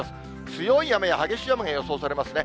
強い雨や激しい雨が予想されますね。